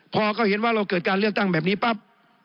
พอเขาเห็นว่าเราเกิดการเลือกตั้งแบบนี้ปั๊บ